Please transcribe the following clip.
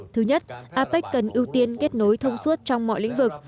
thứ nhất apec cần ưu tiên kết nối thông suốt trong mọi lĩnh vực